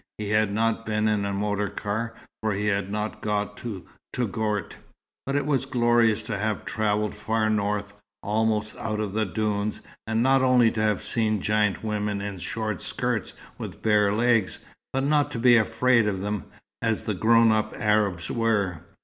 He had not been in a motor car, for he had not got to Touggourt; but it was glorious to have travelled far north, almost out of the dunes, and not only to have seen giant women in short skirts with bare legs, but not to be afraid of them, as the grown up Arabs were.